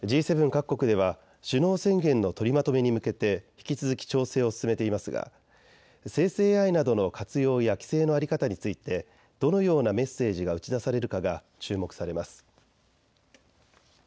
各国では首脳宣言の取りまとめに向けて引き続き調整を進めていますが生成ＡＩなどの活用や規制の在り方についてどのようなメッセージが打ち出されるかが注目されます。